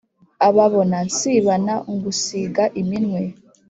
Ababona nsibana ngusiga iminwe